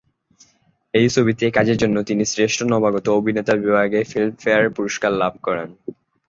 এই ছবিতে কাজের জন্য তিনি শ্রেষ্ঠ নবাগত অভিনেতা বিভাগে ফিল্মফেয়ার পুরস্কার লাভ করেন।